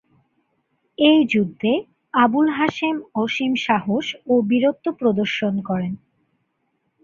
এই যুদ্ধে আবুল হাসেম অসীম সাহস ও বীরত্ব প্রদর্শন করেন।